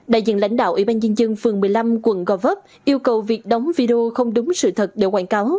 đại diện lãnh đạo ủy ban nhân dân phường một mươi năm quận gò vấp yêu cầu việc đóng video không đúng sự thật để quảng cáo